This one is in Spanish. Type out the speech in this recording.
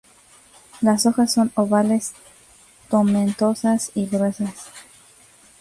Las hojas son ovales, tomentosas y gruesas.